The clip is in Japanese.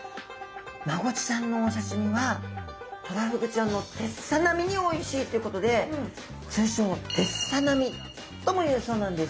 マゴチちゃんのお刺身はトラフグちゃんのてっさ並みにおいしいっていうことで通称「てっさなみ」ともいうそうなんです。